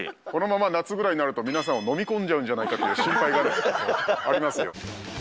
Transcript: このまま夏ぐらいになると、皆さんを飲み込んじゃうんじゃないかという心配がありますよ。